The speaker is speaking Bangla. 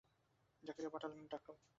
জাকারিয়া ডাকলেন, পাঠক।